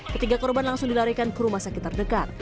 ketiga korban langsung dilarikan ke rumah sakit terdekat